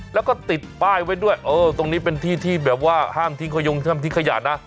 แล้วก็ติดป้ายไว้ด้วยตรงนี้เป็นที่ที่แบบว่าห้ามทิ้งขยะนะ